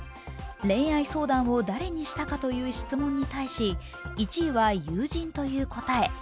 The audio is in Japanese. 恋愛相談を誰にしたかという質問に対し１位は友人という答え。